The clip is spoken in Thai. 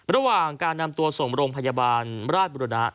ระหว่างการนำตัวส่งโรงพยาบาลราชบุรณะ